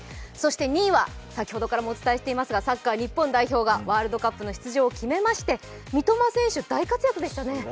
そして２位は先ほどからもお伝えしていますがサッカー日本代表がワールドカップの出場を決めまして、三笘選手大活躍でしたね。